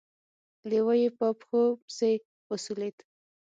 لېوه يې په پښو پسې وسولېد.